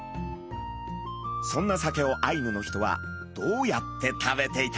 そんなサケをアイヌの人はどうやって食べていたのか？